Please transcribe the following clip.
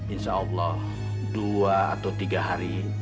insya allah dua atau tiga hari